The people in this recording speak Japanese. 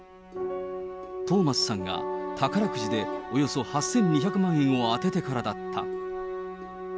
トーマスさんが宝くじでおよそ８２００万円を当ててからだった。